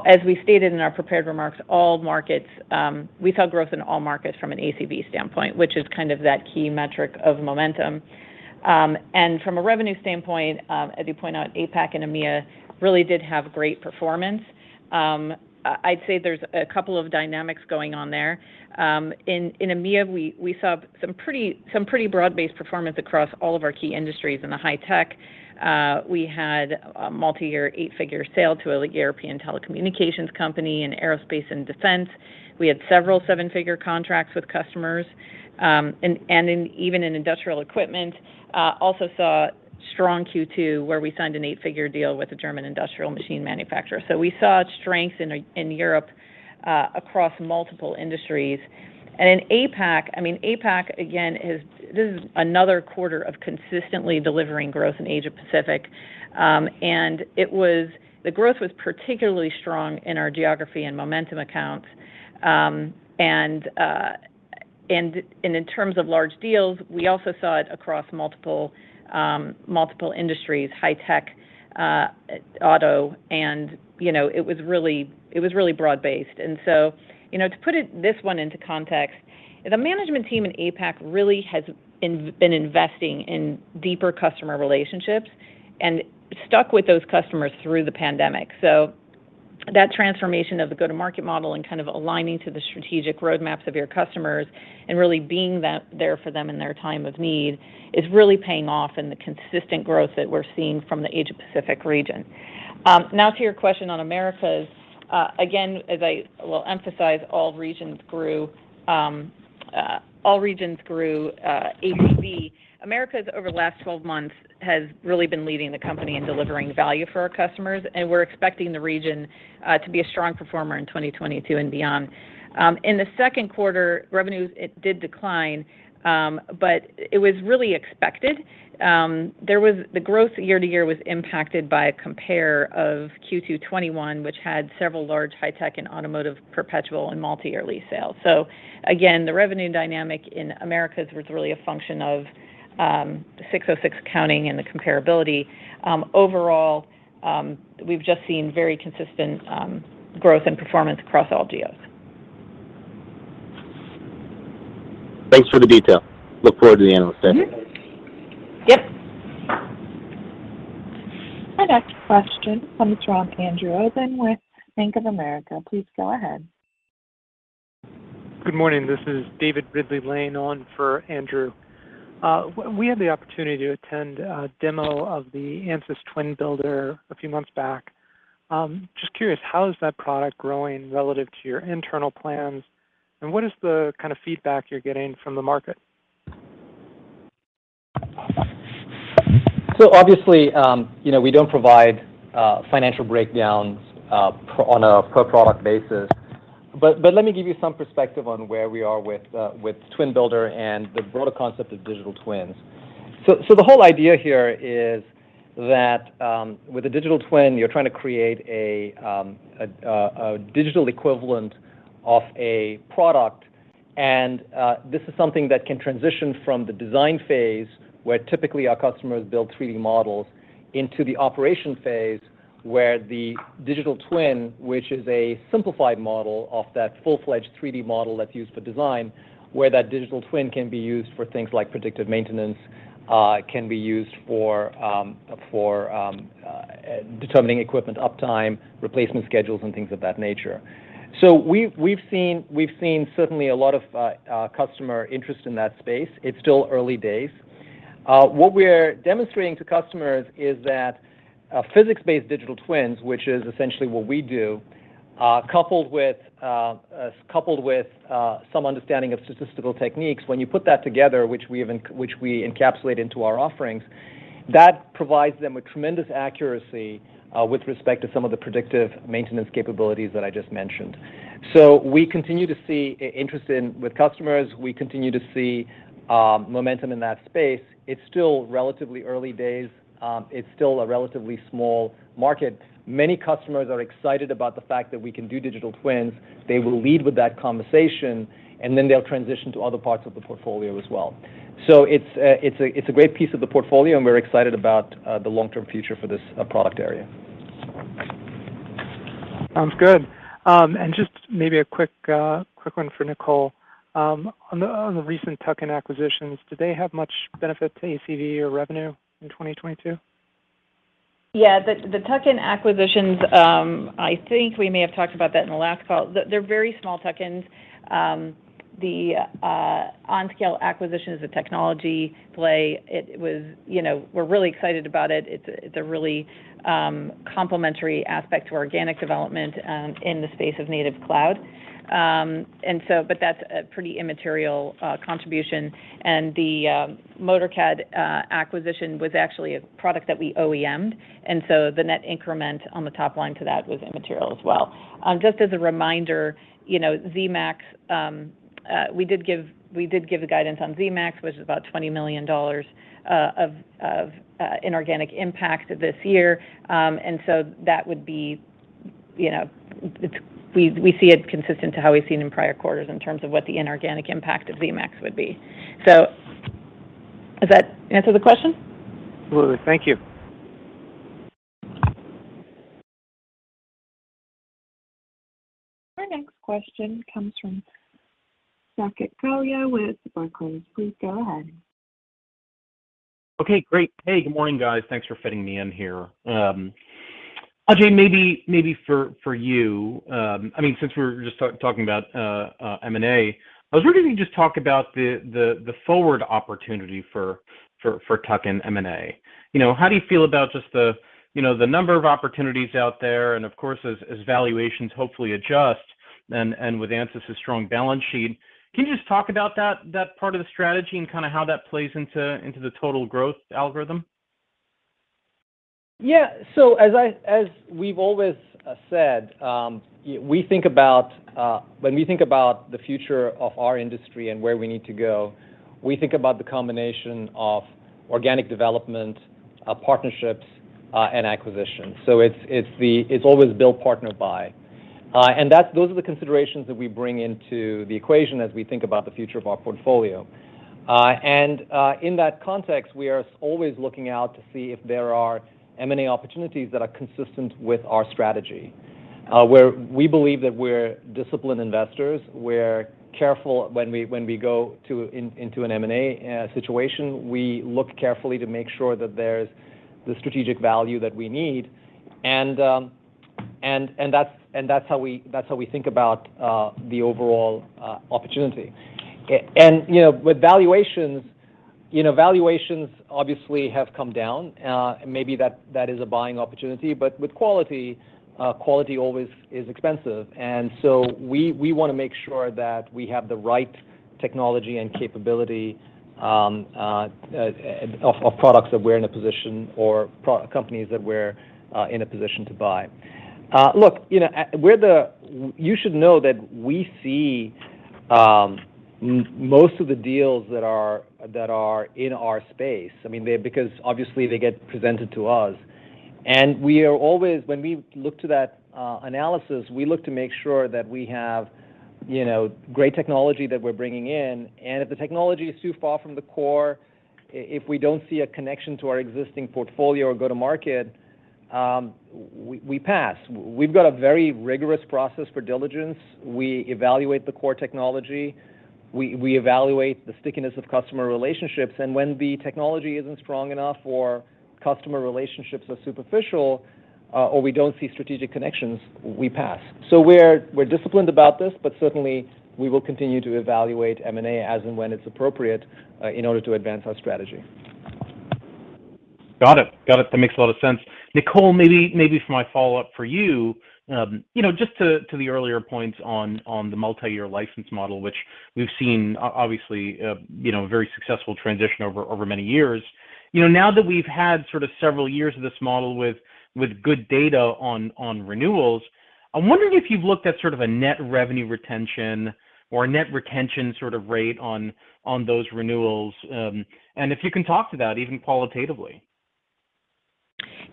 As we stated in our prepared remarks, all markets, we saw growth in all markets from an ACV standpoint, which is kind of that key metric of momentum. From a revenue standpoint, as you point out, APAC and EMEA really did have great performance. I'd say there's a couple of dynamics going on there. In EMEA we saw some pretty broad-based performance across all of our key industries. In the high-tech, we had a multi-year eight-figure sale to a leading European telecommunications company. In aerospace and defense, we had several seven-figure contracts with customers. Even in industrial equipment, also saw strong Q2, where we signed an eight-figure deal with a German industrial machine manufacturer. We saw strength in Europe across multiple industries. In APAC, I mean, APAC, again, is another quarter of consistently delivering growth in Asia-Pacific. The growth was particularly strong in our geography and momentum accounts. In terms of large deals, we also saw it across multiple industries, high tech, auto, and, you know, it was really broad-based. You know, to put this one into context, the management team in APAC really has been investing in deeper customer relationships and stuck with those customers through the pandemic. That transformation of the go-to-market model and kind of aligning to the strategic roadmaps of your customers and really being there for them in their time of need is really paying off in the consistent growth that we're seeing from the Asia-Pacific region. Now to your question on Americas. Again, as I will emphasize, all regions grew ACV. Americas, over the last 12 months, has really been leading the company in delivering value for our customers, and we're expecting the region to be a strong performer in 2022 and beyond. In the second quarter, revenues, it did decline, but it was really expected. The growth year-to-year was impacted by a comp of Q2 2021, which had several large high-tech and automotive perpetual and multiyear lease sales. Again, the revenue dynamic in Americas was really a function of ASC 606 accounting and the comparability. Overall, we've just seen very consistent growth and performance across all geos. Thanks for the detail. Look forward to the analyst session. Yep. Our next question comes from Andrew Obin with Bank of America. Please go ahead. Good morning. This is David Ridley-Lane standing in for Andrew Obin. We had the opportunity to attend a demo of the Ansys Twin Builder a few months back. Just curious, how is that product growing relative to your internal plans, and what is the kind of feedback you're getting from the market? Obviously, you know, we don't provide financial breakdowns on a per product basis. Let me give you some perspective on where we are with Twin Builder and the broader concept of digital twins. The whole idea here is that with a digital twin, you're trying to create a digital equivalent of a product. This is something that can transition from the design phase, where typically our customers build 3D models, into the operation phase, where the digital twin, which is a simplified model of that full-fledged 3D model that's used for design, where that digital twin can be used for things like predictive maintenance and determining equipment uptime, replacement schedules, and things of that nature. We've seen certainly a lot of customer interest in that space. It's still early days. What we're demonstrating to customers is that physics-based digital twins, which is essentially what we do, coupled with some understanding of statistical techniques, when you put that together, which we encapsulate into our offerings, that provides them with tremendous accuracy with respect to some of the predictive maintenance capabilities that I just mentioned. We continue to see interest with customers. We continue to see momentum in that space. It's still relatively early days. It's still a relatively small market. Many customers are excited about the fact that we can do digital twins. They will lead with that conversation, and then they'll transition to other parts of the portfolio as well. It's a great piece of the portfolio, and we're excited about the long-term future for this product area. Sounds good. Just maybe a quick one for Nicole. On the recent tuck-in acquisitions, do they have much benefit to ACV or revenue in 2022? Yeah. The tuck-in acquisitions, I think we may have talked about that in the last call. They're very small tuck-ins. The OnScale acquisition is a technology play. It was, you know, we're really excited about it. It's a really complementary aspect to organic development in the space of native cloud. But that's a pretty immaterial contribution. The Motor-CAD acquisition was actually a product that we OEMed, and so the net increment on the top line to that was immaterial as well. Just as a reminder, you know, Zemax, we did give a guidance on Zemax, which is about $20 million of inorganic impact this year that would be, you know, we see it consistent to how we've seen in prior quarters in terms of what the inorganic impact of Zemax would be. Does that answer the question? Absolutely. Thank you. Our next question comes from Saket Kalia with Barclays. Please go ahead. Okay, great. Hey, good morning, guys. Thanks for fitting me in here. Ajei, maybe for you, I mean, since we're just talking about M&A, I was wondering if you could just talk about the forward opportunity for tuck-in M&A. You know, how do you feel about just the number of opportunities out there and, of course, as valuations hopefully adjust and with Ansys' strong balance sheet. Can you just talk about that part of the strategy and kind of how that plays into the total growth algorithm? Yeah. As we've always said, we think about when we think about the future of our industry and where we need to go, we think about the combination of organic development, partnerships, and acquisitions. It's always build, partner, buy. Those are the considerations that we bring into the equation as we think about the future of our portfolio. In that context, we are always looking out to see if there are M&A opportunities that are consistent with our strategy. We believe that we're disciplined investors. We're careful when we go into an M&A situation. We look carefully to make sure that there's the strategic value that we need. That's how we think about the overall opportunity. You know, with valuations, you know, valuations obviously have come down, and maybe that is a buying opportunity. But with quality always is expensive. We wanna make sure that we have the right technology and capability of products or companies that we're in a position to buy. Look, you know, you should know that we see most of the deals that are in our space. I mean, because obviously they get presented to us. We are always, when we look to that analysis, we look to make sure that we have, you know, great technology that we're bringing in. If the technology is too far from the core, if we don't see a connection to our existing portfolio or go-to-market, we pass. We've got a very rigorous process for diligence. We evaluate the core technology. We evaluate the stickiness of customer relationships. When the technology isn't strong enough or customer relationships are superficial, or we don't see strategic connections, we pass. We're disciplined about this, but certainly we will continue to evaluate M&A as and when it's appropriate, in order to advance our strategy. Got it. That makes a lot of sense. Nicole, maybe for my follow-up for you know, just to the earlier points on the multi-year license model, which we've seen obviously, you know, very successful transition over many years. You know, now that we've had sort of several years of this model with good data on renewals, I'm wondering if you've looked at sort of a net revenue retention or net retention sort of rate on those renewals, and if you can talk to that even qualitatively.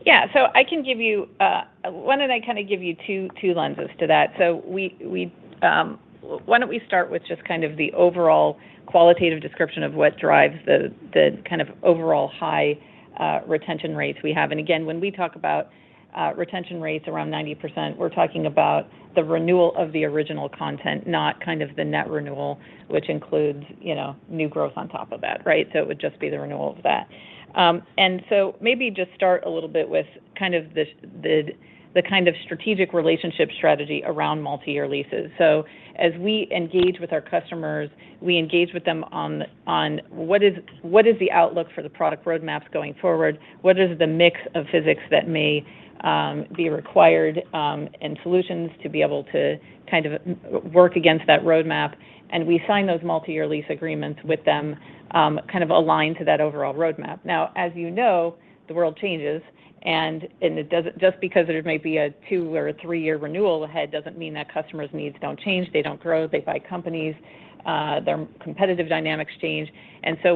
Yeah. I can give you, why don't I kind of give you two lenses to that? We, Why don't we start with just kind of the overall qualitative description of what drives the kind of overall high retention rates we have? Again, when we talk about retention rates around 90%, we're talking about the renewal of the original content, not kind of the net renewal, which includes, you know, new growth on top of that, right? It would just be the renewal of that. Maybe just start a little bit with kind of the strategic relationship strategy around multiyear leases. As we engage with our customers, we engage with them on what is the outlook for the product roadmaps going forward? What is the mix of physics that may be required and solutions to be able to kind of work against that roadmap, and we sign those multiyear lease agreements with them kind of aligned to that overall roadmap. Now, as you know, the world changes, and it doesn't just because there may be a two or a three-year renewal ahead doesn't mean that customers' needs don't change, they don't grow, they buy companies, their competitive dynamics change.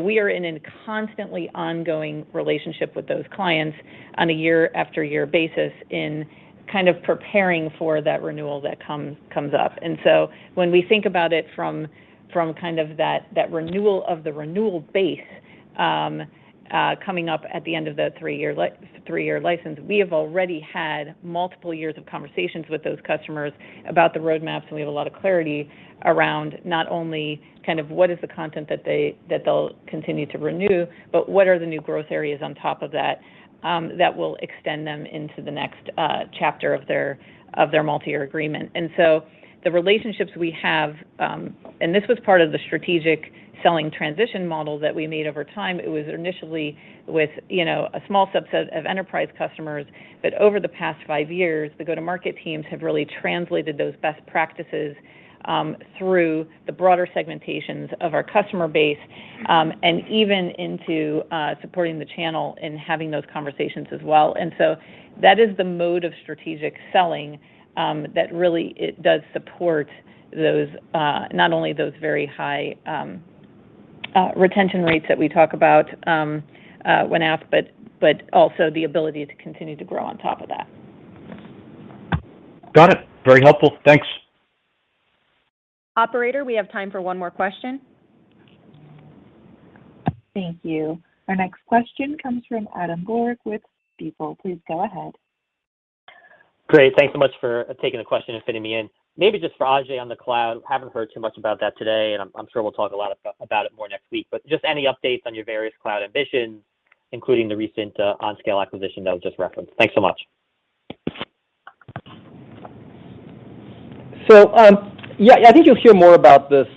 We are in a constantly ongoing relationship with those clients on a year after year basis in kind of preparing for that renewal that comes up. When we think about it from kind of that renewal base coming up at the end of the three-year license, we have already had multiple years of conversations with those customers about the roadmaps, and we have a lot of clarity around not only kind of what is the content that they'll continue to renew, but what are the new growth areas on top of that that will extend them into the next chapter of their multiyear agreement. The relationships we have, and this was part of the strategic selling transition model that we made over time. It was initially with, you know, a small subset of enterprise customers, but over the past five years, the go-to-market teams have really translated those best practices through the broader segmentations of our customer base, and even into supporting the channel in having those conversations as well. That is the mode of strategic selling that really, it does support those, not only those very high retention rates that we talk about when asked, but also the ability to continue to grow on top of that. Got it. Very helpful. Thanks. Operator, we have time for one more question. Thank you. Our next question comes from Adam Borg with Stifel. Please go ahead. Great. Thanks so much for taking the question and fitting me in. Maybe just for Ajei on the cloud, haven't heard too much about that today, and I'm sure we'll talk a lot about it more next week. Just any updates on your various cloud ambitions, including the recent OnScale acquisition that was just referenced? Thanks so much. I think you'll hear more about this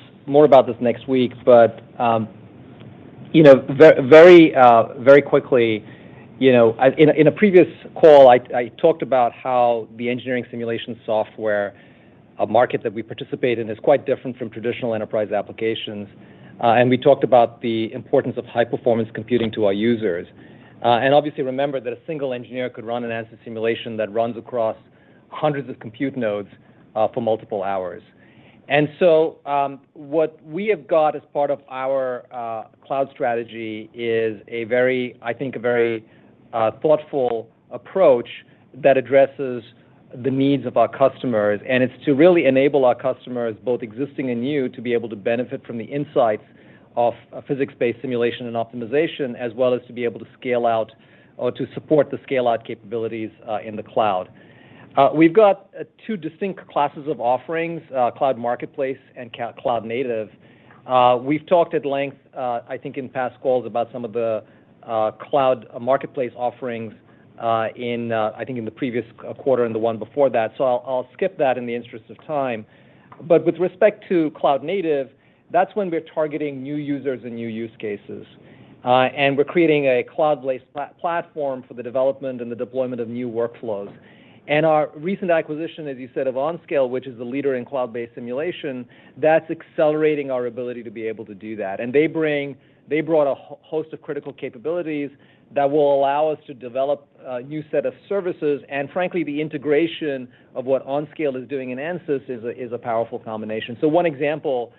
next week. You know, very quickly, you know, in a previous call, I talked about how the engineering simulation software, a market that we participate in, is quite different from traditional enterprise applications, and we talked about the importance of high-performance computing to our users. Obviously remember that a single engineer could run an Ansys simulation that runs across hundreds of compute nodes, for multiple hours. What we have got as part of our cloud strategy is a very, I think, very thoughtful approach that addresses the needs of our customers. It's to really enable our customers, both existing and new, to be able to benefit from the insights of physics-based simulation and optimization, as well as to be able to scale out or to support the scale-out capabilities in the cloud. We've got two distinct classes of offerings, cloud marketplace and cloud native. We've talked at length, I think in past calls about some of the cloud marketplace offerings in, I think in the previous quarter and the one before that, so I'll skip that in the interest of time. With respect to cloud native, that's when we're targeting new users and new use cases. We're creating a cloud-based platform for the development and the deployment of new workflows. Our recent acquisition, as you said, of OnScale, which is the leader in cloud-based simulation, that's accelerating our ability to be able to do that. They brought a host of critical capabilities that will allow us to develop a new set of services. Frankly, the integration of what OnScale is doing in Ansys is a powerful combination. One example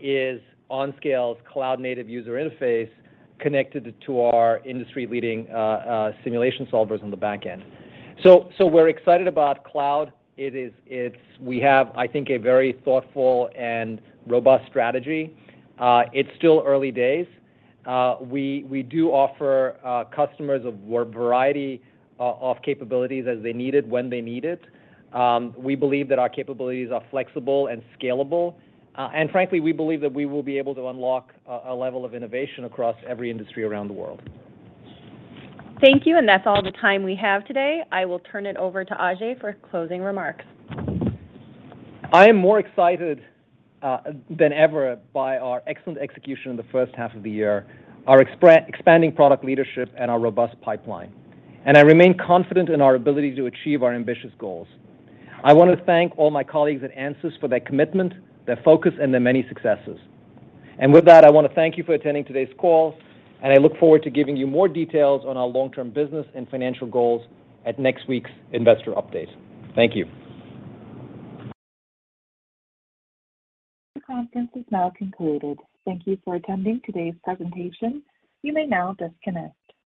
is OnScale's cloud native user interface connected to our industry-leading simulation solvers on the back end. We're excited about cloud. We have, I think, a very thoughtful and robust strategy. It's still early days. We do offer customers a variety of capabilities as they need it when they need it. We believe that our capabilities are flexible and scalable. Frankly, we believe that we will be able to unlock a level of innovation across every industry around the world. Thank you, and that's all the time we have today. I will turn it over to Ajei for closing remarks. I am more excited than ever by our excellent execution in the first half of the year, our expanding product leadership, and our robust pipeline. I remain confident in our ability to achieve our ambitious goals. I want to thank all my colleagues at Ansys for their commitment, their focus, and their many successes. With that, I want to thank you for attending today's call, and I look forward to giving you more details on our long-term business and financial goals at next week's investor update. Thank you. The conference is now concluded. Thank you for attending today's presentation. You may now disconnect.